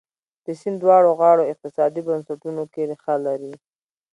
د سیند دواړو غاړو اقتصادي بنسټونو کې ریښه لري.